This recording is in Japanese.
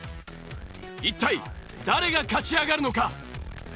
一体誰が勝ち上がるのか？